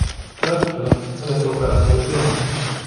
لا تقلق. أنا سوف أعتني بها.